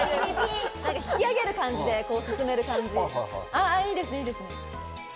引き上げる感じで進める感じ、いいです、いいです。